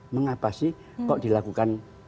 mengapa sih kok dilakukan